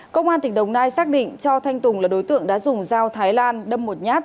công an tỉnh đồng nai xác định cho thanh tùng là đối tượng đã dùng dao thái lan đâm một nhát